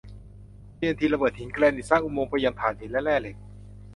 ทีเอ็นทีระเบิดหินแกรนิตสร้างอุโมงค์ไปยังถ่านหินและแร่เหล็ก